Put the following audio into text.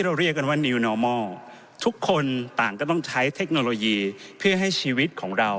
เราเรียกกันว่าทุกคนต่างก็ต้องใช้เพื่อให้ชีวิตของเรา